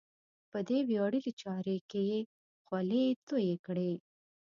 په دې ویاړلې چارې کې یې خولې تویې کړې.